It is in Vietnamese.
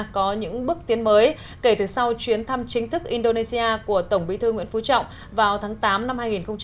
có những bước tiến mới kể từ sau chuyến thăm chính thức indonesia của tổng bí thư nguyễn phú trọng vào tháng tám năm hai nghìn hai mươi ba